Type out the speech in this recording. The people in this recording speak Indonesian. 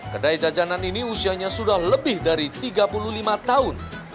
kedai jajanan ini usianya sudah lebih dari tiga puluh lima tahun